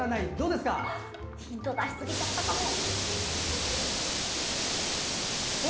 ヒント出しすぎちゃったかも。